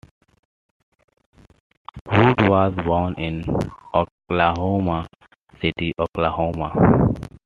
Woods was born in Oklahoma City, Oklahoma.